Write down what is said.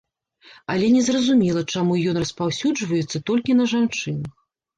Але незразумела, чаму ён распаўсюджваецца толькі на жанчын.